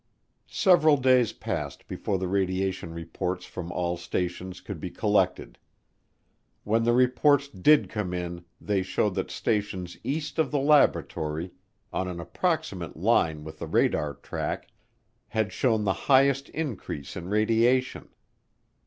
Several days passed before the radiation reports from all stations could be collected. When the reports did come in they showed that stations east of the laboratory, on an approximate line with the radar track, had shown the highest increase in radiation.